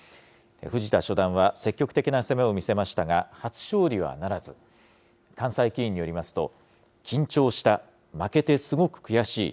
藤田初段は積極的な攻めを見せましたが、初勝利はならず、関西棋院によりますと、緊張した、負けてすごく悔しい。